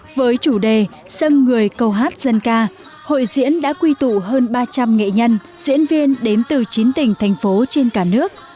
với chủ đề sân người câu hát dân ca hội diễn đã quy tụ hơn ba trăm linh nghệ nhân diễn viên đến từ chín tỉnh thành phố trên cả nước